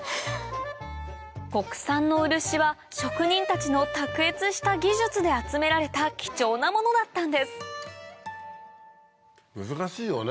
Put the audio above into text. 国産の漆は職人たちの卓越した技術で集められた貴重なものだったんです難しいよね